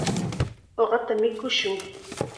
Uqata mikushun.